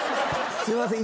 すいません。